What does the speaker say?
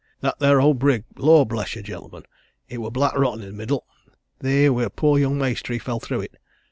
That there owd brig! lor' bless yer, gentlemen! it were black rotten i' the middle, theer where poor young maister he fell through it.